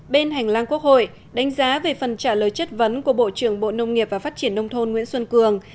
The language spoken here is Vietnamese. bên hành lang quốc hội đánh giá về phần trả lời chất vấn của bộ trưởng bộ nông nghiệp và phát triển nông thôn nguyễn xuân cường